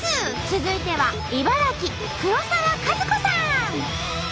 続いては茨城黒沢かずこさん！